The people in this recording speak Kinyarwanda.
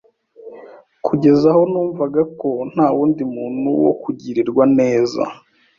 kugeza aho numvaga ko nta wundi muntu wo kugirirwa neza